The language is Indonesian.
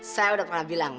saya udah pernah bilang